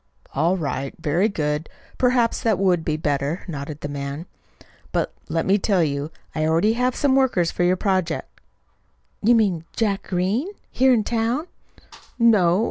"All right. Very good. Perhaps that would be better," nodded the man. "But, let me tell you, I already have some workers for your project." "You mean Jack Green, here in town?" "No.